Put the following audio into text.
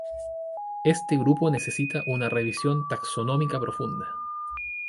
Este grupo necesita una revisión taxonómica profunda.